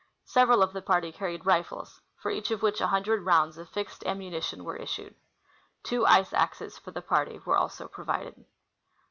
Several of the party carried rifles, for each of which a hundred rounds of fixed am munition were issued. Two ice axes for the party were also provided.